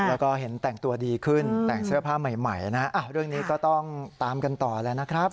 แล้วก็เห็นแต่งตัวดีขึ้นแต่งเสื้อผ้าใหม่นะเรื่องนี้ก็ต้องตามกันต่อแล้วนะครับ